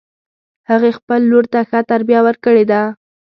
هغې خپل لور ته ښه تربیه ورکړې ده